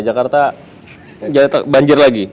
jakarta banjir lagi